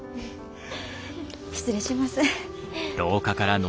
失礼します。